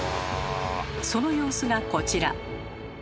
その様子がこちら。